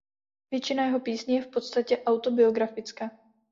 Většina jeho písní je v podstatě autobiografická.